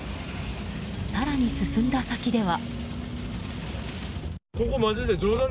更に進んだ先では。